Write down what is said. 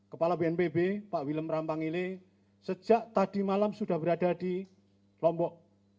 kepala bnpb pak willem rampangile sejak tadi malam sudah berada di lombok